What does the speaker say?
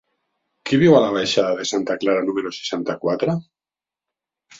Qui viu a la baixada de Santa Clara número seixanta-quatre?